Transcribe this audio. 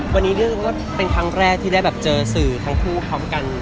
วันนี้ก็เป็นครั้งแรกที่ได้เจอสื่อทั้งคู่พร้อมกันใช่มั้ยพี่